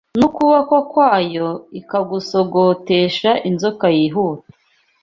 N’ukuboko kwayo ikagusogotesha inzoka yihuta